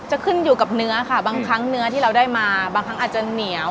จะขึ้นอยู่กับเนื้อค่ะบางครั้งเนื้อที่เราได้มาบางครั้งอาจจะเหนียว